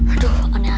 aduh aneh aneh aja